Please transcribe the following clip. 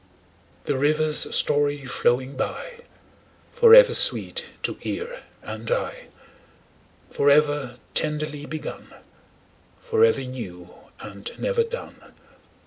The river's story flowing by, Forever sweet to ear and eye, Forever tenderly begun Forever new and never done.